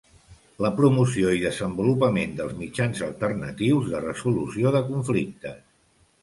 La promoció i desenvolupament dels mitjans alternatius de resolució de conflictes.